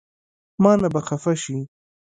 مانه به خفه شې